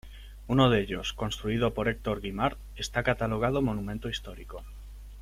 Uno de ellos, construido por Hector Guimard, está catalogado Monumento Histórico.